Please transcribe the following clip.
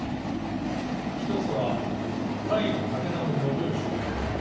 一つは甲斐の武田信義。